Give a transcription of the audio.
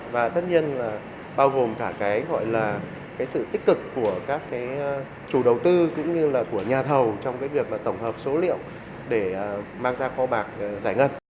và tất nhiên là bao gồm cả cái gọi là sự tích cực của các chủ đầu tư cũng như là của nhà thầu trong việc tổng hợp số liệu để mang ra kho bạc giải ngân